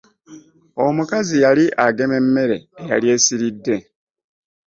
Omukazi yali agema mmere eyali essiride.